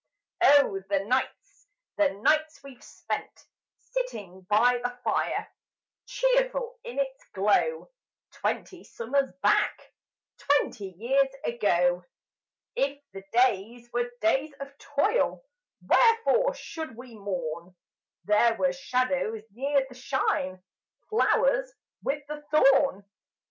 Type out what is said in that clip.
Oh, the nights the nights we've spent, Sitting by the fire, Cheerful in its glow; Twenty summers back Twenty years ago! If the days were days of toil Wherefore should we mourn; There were shadows near the shine, Flowers with the thorn?